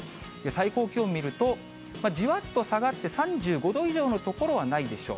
最高気温見ると、じわっと下がって３５度以上の所はないでしょう。